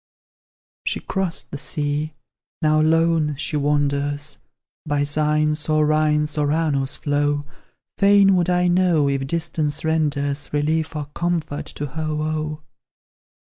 She crossed the sea now lone she wanders By Seine's, or Rhine's, or Arno's flow; Fain would I know if distance renders Relief or comfort to her woe.